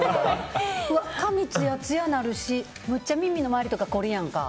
髪つやつやになるしむっちゃ耳の周りとかこるやんか。